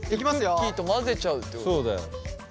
クッキーと混ぜちゃうってことだよね。